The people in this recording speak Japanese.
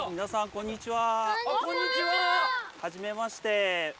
こんにちは！